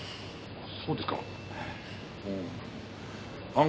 そうですか。